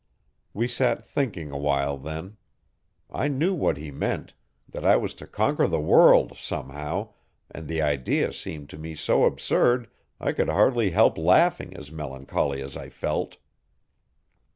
We sat thinking a while then. I knew what he meant that I was to conquer the world, somehow, and the idea seemed to me so absurd I could hardly help laughing as melancholy as I felt.